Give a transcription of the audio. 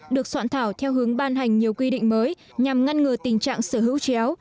được soạn thảo theo hướng ban hành nhiều quy định mới nhằm ngăn ngừa tình trạng sở hữu chéo